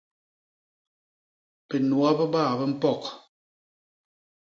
Binuga biba bi mpok.